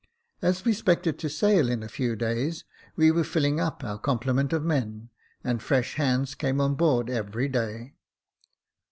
As we 'spected to sail in a few days, we were filling up our complement of men, and fresh hands came on board every day.